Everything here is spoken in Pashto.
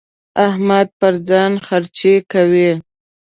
احمد پر ځان خرڅې کوي.